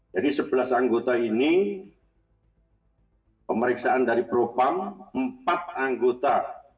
jadi sebelas anggota ini pemeriksaan dari propang empat anggota